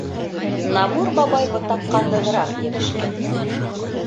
Намур бабай ботаҡҡа нығыраҡ йәбешкән.